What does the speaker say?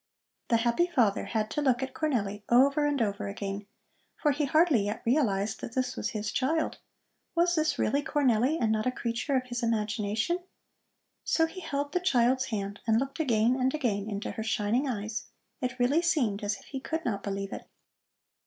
The happy father had to look at Cornelli over and over again, for he hardly yet realized that this was his child. Was this really Cornelli and not a creature of his imagination? So he held the child's hand and looked again and again into her shining eyes; it really seemed as if he could not believe it.